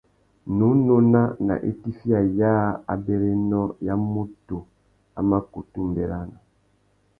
Nnú nôna nà itifiya yâā abérénô ya mutu a mà kutu mʼbérana.